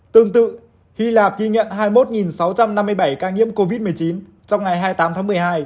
tương tự hy lạp ghi nhận hai mươi một sáu trăm năm mươi bảy ca nhiễm covid một mươi chín trong ngày hai mươi tám tháng một mươi hai